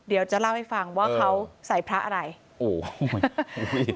เดี๋ยวจะเล่าให้ฟังว่าเขาใส่พระอะไรโอ้โห